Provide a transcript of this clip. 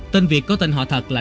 tên việt có tên họ thật là